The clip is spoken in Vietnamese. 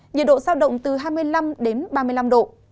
nhiệt độ giao động từ hai mươi năm đến ba mươi năm độ